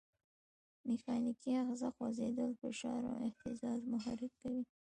میخانیکي آخذه خوځېدل، فشار او اهتزاز محرک کوي.